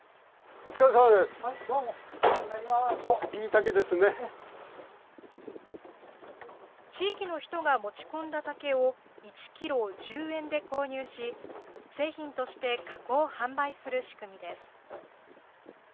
おっ、地域の人が持ち込んだ竹を１キロ１０円で購入し、製品として加工、販売する仕組みです。